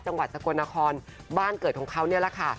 จังหวัดสกลนครบ้านเกิดของเขานี่แหละค่ะ